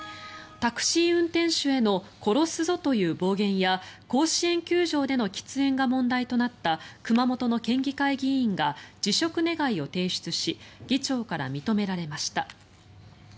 タクシー運転手への殺すぞという暴言や甲子園球場での喫煙が問題となった熊本の県議会議員が辞職願を提出し議長から認められました。